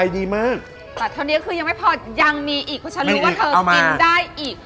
ดีมากแต่เท่านี้คือยังไม่พอยังมีอีกเพราะฉันรู้ว่าเธอกินได้อีก